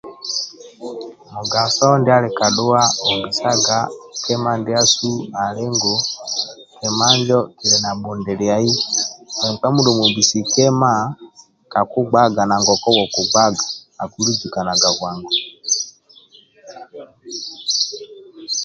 Mugaso ndia ali kadhua ombisaga kima ndiasu alinkugu kima injo kili na bhundiliai nkpan mindio omwombisi kima kakigbaga nanasi gokunuwebokugbaga akliluzukanaga bwamgu